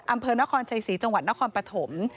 อำเภอนครชัยศรีจังหวัดนครปฐม